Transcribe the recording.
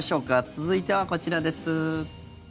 続いてはこちらです。